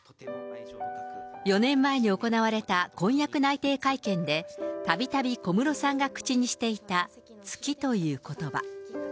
４年前に行われた婚約内定会見で、たびたび小室さんが口にしていた月ということば。